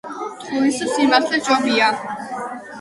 ტყუილს სიმართლე ჯობია❤️🔥